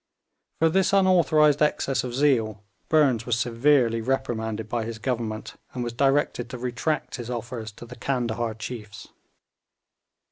For this unauthorised excess of zeal Burnes was severely reprimanded by his Government, and was directed to retract his offers to the Candahar chiefs.